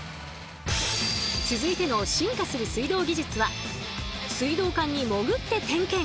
続いての進化する水道技術は水道管にもぐって点検！